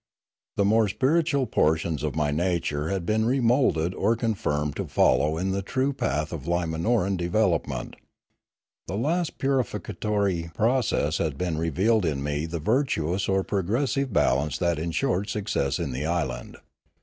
The more spiritual portions of my nature had been remoulded or confirmed to follow in the true path of Limanoran development. The last purificatory process had revealed in me the virtuous or progressive balance that ensured success in the island.